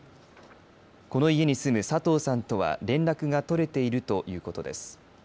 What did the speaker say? この家に住む佐藤さんとは連絡が取れているということです。